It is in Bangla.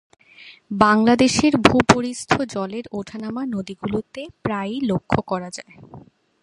বাংলাদেশের ভূপরিস্থ জলের ওঠানামা নদীগুলিতে প্রায়ই লক্ষ করা যায়।